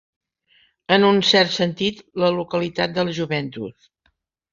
En un cert sentit, la localitat de la Juventus.